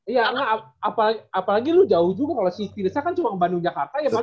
iya apalagi lu jauh juga kalau si tilisnya kan cuma bandung jakarta ya bang